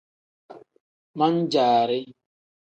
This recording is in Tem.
Man-jaari.